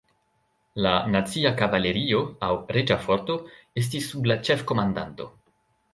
La "Nacia Kavalerio" aŭ "Reĝa Forto" estis sub la ĉefkomandanto.